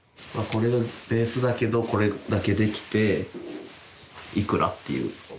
これがベースだけどこれだけできていくら？っていう。